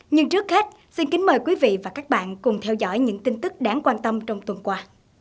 nhưng trước hết xin kính mời quý vị và các bạn cùng theo dõi những tin tức đáng quan tâm trong tuần qua